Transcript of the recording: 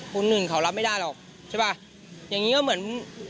คุณหนึ่งเขารับไม่ได้หรอกใช่ป่ะอย่างนี้ก็เหมือน